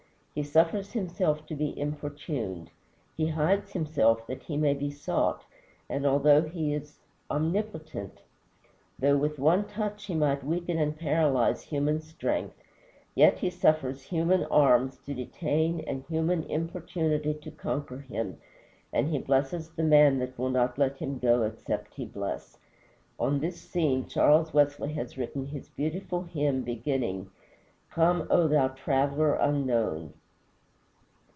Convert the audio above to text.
He suffers himself to be importuned; he hides himself that he may be sought, and, although he is omnipotent, though with one touch he might weaken and paralyze human strength, yet he suffers human arms to detain and human importunity to conquer him, and he blesses the man that will not let him go except he bless. On this scene Charles Wesley has written his beautiful hymn beginning, "Come, O thou Traveler unknown."